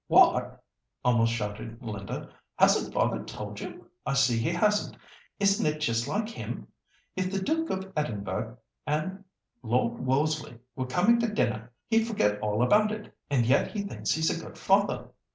"What!" almost shouted Linda; "hasn't father told you? I see he hasn't—isn't it just like him? If the Duke of Edinburgh and Lord Wolseley were coming to dinner he'd forget all about it. And yet he thinks he's a good father."